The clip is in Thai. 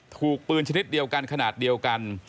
ถูกปืนชนิดเดียวกันขนาดเดียวกัน